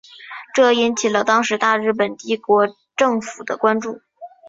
这引起了当时大日本帝国政府的关注。